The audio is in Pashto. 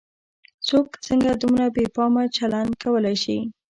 څوک څنګه دومره بې پامه چلن کولای شي.